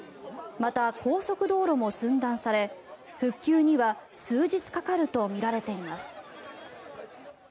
また、高速道路も寸断され復旧には数日かかるとみられています。